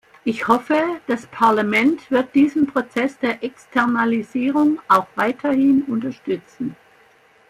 Ich hoffe, das Parlament wird diesen Prozess der Externalisierung auch weiterhin unterstützen.